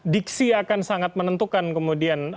diksi akan sangat menentukan kemudian